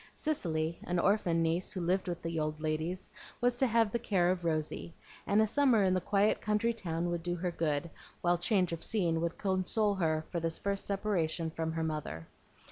Cicely, an orphan niece who lived with the old ladies, was to have the care of Rosy; and a summer in the quiet country town would do her good, while change of scene would console her for this first separation from her mother.